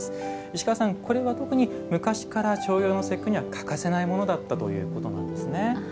石川さん、これは特に昔から重陽の節句には欠かせないものだったということなんですね。